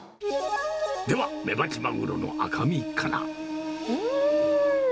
では、メバチマグロの赤身かうーん！